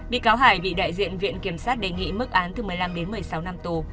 bị cáo hải bị đại diện viện kiểm sát đề nghị mức án từ một mươi năm đến một mươi sáu năm tù